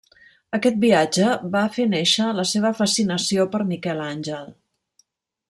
Aquest viatge va fer néixer la seva fascinació per Miquel Àngel.